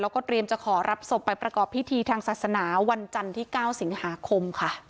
แล้วก็เตรียมจะขอรับศพไปประกอบพิธีทางศาสนาวันจันทร์ที่๙สิงหาคมค่ะ